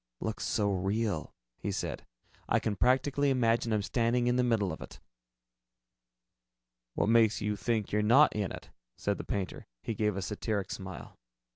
"Looks so real," he said, "I can practically imagine I'm standing in the middle of it." "What makes you think you're not in it?" said the painter. He gave a satiric smile.